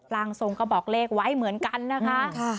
ร่างทรงก็บอกเลขไว้เหมือนกันนะคะ